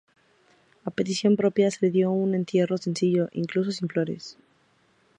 A petición propia, se le dio un entierro sencillo, incluso sin flores.